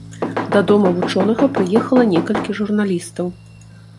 Да дома вучонага прыехала некалькі журналістаў.